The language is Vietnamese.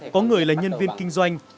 có người là nhân viên kinh doanh